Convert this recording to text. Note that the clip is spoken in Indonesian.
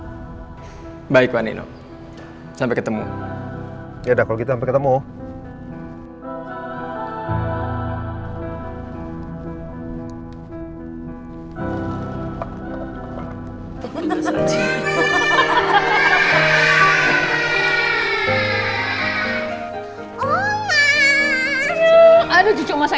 hai baik wadidaw sampai ketemu ya udah kalau gitu sampai ketemu